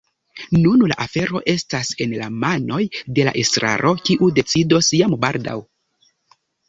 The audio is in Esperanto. Nun la afero estas en la manoj de la estraro, kiu decidos jam baldaŭ.